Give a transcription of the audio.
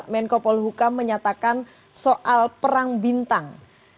menko polhukam menyatakan soal perang bintang